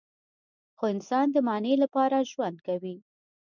خو انسان د معنی لپاره ژوند کوي.